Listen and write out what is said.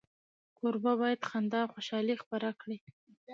کوربه باید خندا او خوشالي خپره کړي.